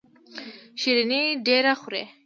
شیریني ډیره خورئ؟